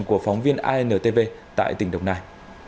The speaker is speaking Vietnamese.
công việc làm thuê của phóng viên antv tại tỉnh đồng nai